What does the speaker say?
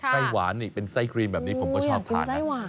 ไส้หวานนี่เป็นไส้ครีมแบบนี้ผมก็ชอบทานนะ